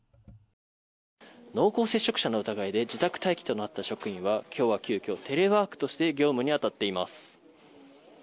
濃厚接触者の疑いで自宅待機となった職員は今日は急きょテレワークとして業務に当たっています。